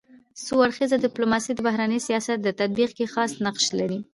څو اړخیزه ډيپلوماسي د بهرني سیاست په تطبیق کي خاص نقش لري.